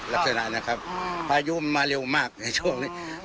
ลักษณะนะครับพายุมันมาเร็วมากในช่วงนี้